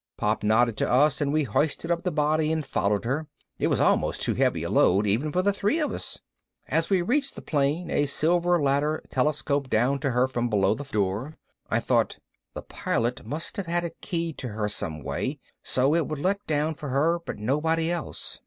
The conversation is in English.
Pop nodded to us and we hoisted up the body and followed her. It was almost too heavy a load even for the three of us. As she reached the plane a silver ladder telescoped down to her from below the door. I thought, _the Pilot must have had it keyed to her some way, so it would let down for her but nobody else.